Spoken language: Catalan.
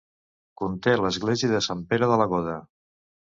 Conté l'església de Sant Pere de la Goda.